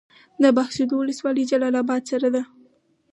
د بهسودو ولسوالۍ جلال اباد سره ده